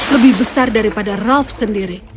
lebih besar daripada ralf sendiri